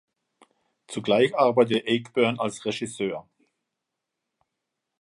Zugleich arbeitete Ayckbourn als Regisseur.